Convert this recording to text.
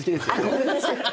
ごめんなさい。